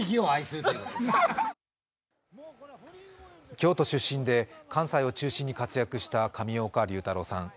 京都出身で関西を中心に活躍した上岡龍太郎さん。